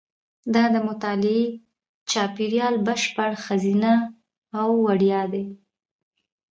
دا د مطالعې چاپېریال بشپړ ښځینه او وړیا دی.